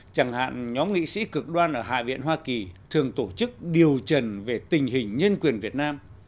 chẳng hạn nhóm nghị sĩ cực đoan ở hạ viện hoa kỳ thường tổ chức điều trần về tình hình nhân quyền việt nam